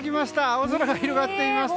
青空が広がっています。